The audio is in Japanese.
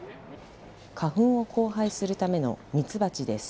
花粉を交配するためのミツバチです。